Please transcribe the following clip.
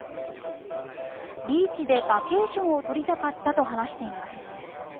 ビーチでバケーションをとりたかったと話しています。